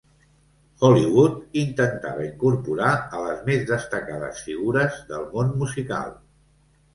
Hollywood intentava incorporar a les més destacades figures del món musical.